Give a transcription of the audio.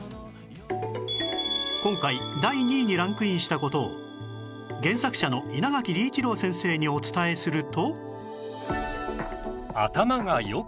今回第２位にランクインした事を原作者の稲垣理一郎先生にお伝えすると